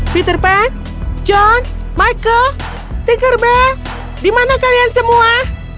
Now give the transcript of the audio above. peter pan john michael tinkerbell di mana kalian semua